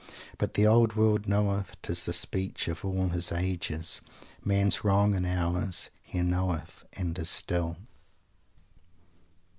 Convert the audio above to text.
But the Old World knoweth 'tis the speech of all his ages Man's wrong and ours; he knoweth and is still."